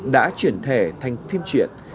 đã chuyển thẻ thành phim chuyện